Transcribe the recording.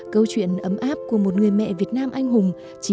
câu chuyện ấm áp của một người mẹ việt nam anh hùng